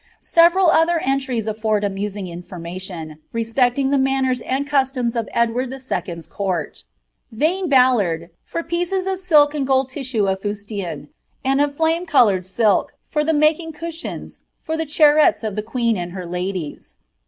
Several other entries afford amusing information, respect ing tlie maoners and customs of Edward the Second^s court Vanne Bsllardi for pieces of silk and gold tissue of fustian, and of flame eolonrecl silk^ for the making cushions, for the charrettes of the queen Md her ladies.